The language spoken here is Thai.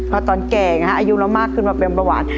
พอตอนแก่อายุเรามากขึ้นมาเป็นเบาหวาน